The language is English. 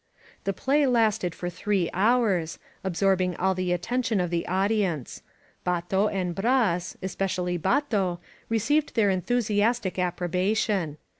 The play lasted for three hours, absorbing all the attention of the audience. Bato and Bras — especially Bato — received their enthusiastic approbation.